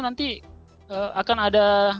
nanti akan ada